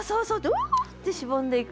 うってしぼんでいく。